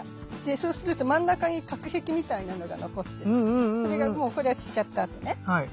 そうすると真ん中に隔壁みたいなのが残ってさそれがもうこれは散っちゃったあとね。